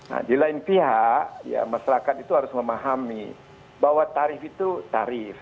nah di lain pihak ya masyarakat itu harus memahami bahwa tarif itu tarif